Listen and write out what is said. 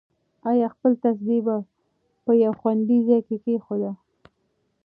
انا خپل تسبیح په یو خوندي ځای کې کېښوده.